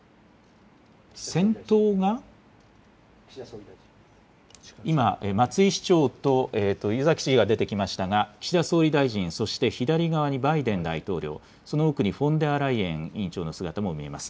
先頭が今、松井市長と湯崎知事が出てきましたが岸田総理大臣、そして左側にバイデン大統領、その奥にフォンデアライエン委員長の姿も見えます。